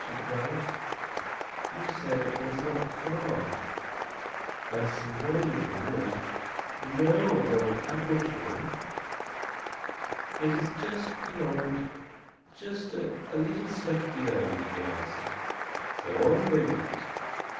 she cried. "You said it was not far. I see no little wood, no old apple tree." "It is just beyond, just a little step beyond," he answered. So on they went.